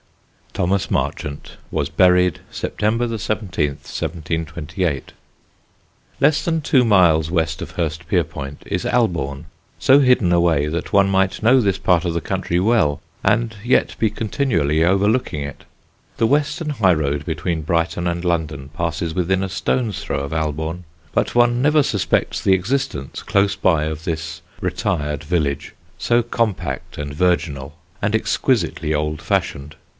Thomas Marchant was buried September 17, 1728. Less than two miles west of Hurstpierpoint is Albourne, so hidden away that one might know this part of the country well and yet be continually overlooking it. The western high road between Brighton and London passes within a stone's throw of Albourne, but one never suspects the existence, close by, of this retired village, so compact and virginal and exquisitely old fashioned.